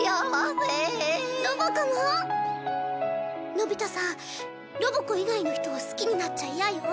のび太さんロボ子以外の人を好きになっちゃ嫌よ？